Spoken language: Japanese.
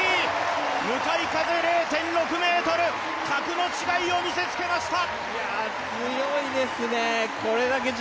向かい風０．６メートル、格の違いを見せつけました。